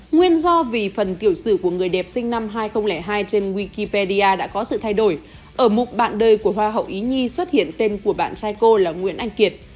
nguyên do vì phần tiểu sử của người đẹp sinh năm hai nghìn hai trên wikipedia đã có sự thay đổi ở mục bạn đời của hoa hậu ý nhi xuất hiện tên của bạn trai cô là nguyễn anh kiệt